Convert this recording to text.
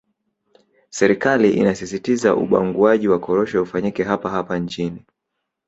Serikali inasisitiza ubanguaji wa korosho ufanyike hapa hapa nchini